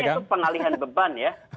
itu pengalihan beban ya